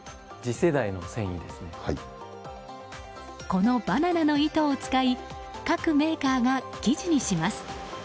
このバナナの糸を使い各メーカーが生地にします。